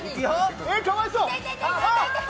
かわいそう！